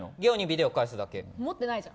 持ってないじゃん。